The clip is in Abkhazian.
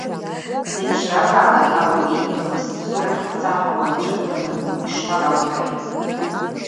Дзеиԥшразаалак, ауаҩеибга, бзыԥсу рахь бца ҳәа уналҿагыланы ишԥалоуҳәари…